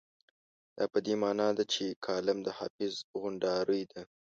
دا په دې مانا نه ده چې کالم د حافظ غونډارۍ ده.